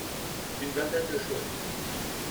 Une vingtaine de joueurs.